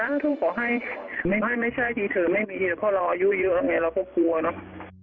อะถ้าเธอขอให้หรือไม่ไม่ใช่ที่เธอไม่มีเพราะเราอายุเยอะแล้วไงเราก็กลัวน่ะ